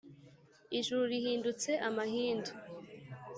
ijuru rihindutse amahindu